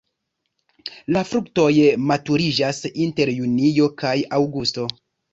La fruktoj maturiĝas inter junio kaj aŭgusto.